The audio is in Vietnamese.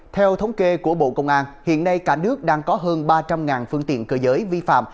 theo thống kê của bộ công an hiện nay cả nước đang có hơn ba trăm linh phương tiện cơ giới vi phạm